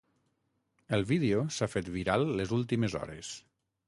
El vídeo s’ha fet viral les últimes hores.